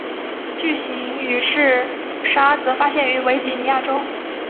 巨型羽翅鲎则发现于维吉尼亚州。